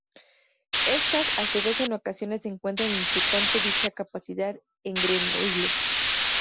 Éstas, a su vez, en ocasiones encuentran inquietante dicha capacidad en Grenouille.